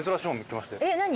えっ何？